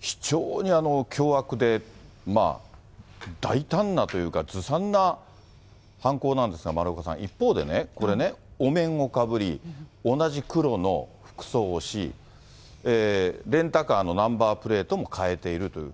非常に凶悪で、大胆なというか、ずさんな犯行なんですが、丸岡さん、一方でね、これね、お面をかぶり、同じ黒の服装をし、レンタカーのナンバープレートも変えているという。